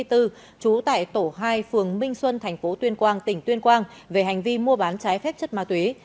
trú tại tổ hai phường minh xuân tp tuyên quang tỉnh tuyên quang về hành vi mua bán trái phép chất ma túy